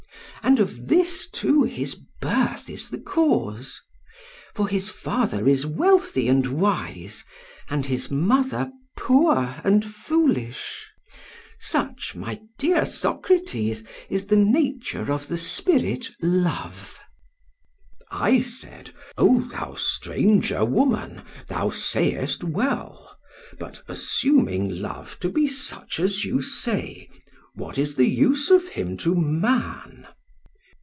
And of this too his birth is the cause; for his father is wealthy and wise, and his mother poor and foolish. Such, my dear Socrates, is the nature of the spirit Love.' "I said: 'O thou stranger woman, thou sayest well; but, assuming Love to be such as you say, what is the use of him to man?'